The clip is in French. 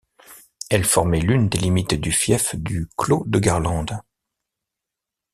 Elle formait l'une des limites du fief du clos de Garlande.